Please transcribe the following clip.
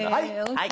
はい。